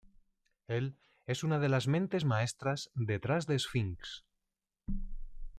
Él es una de las mentes maestras detrás de Sphinx.